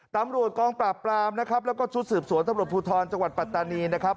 ตำรวจกองปราบปรามนะครับแล้วก็ชุดสืบสวนตำรวจภูทรจังหวัดปัตตานีนะครับ